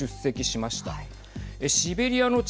シベリアの力